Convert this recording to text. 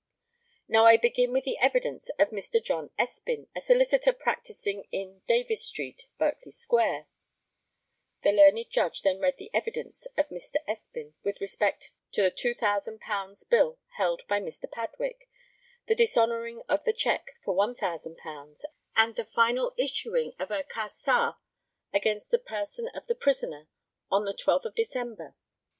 Now I begin with the evidence of Mr. John Espin, a solicitor practising in Davies street, Berkeley square. [The learned Judge then read the evidence of Mr. Espin with respect to the £2,000 bill held by Mr. Padwick, the dishonouring of the cheque for £1,000, and the final issuing of a ca. sa. against the person of the prisoner on the 12th of December.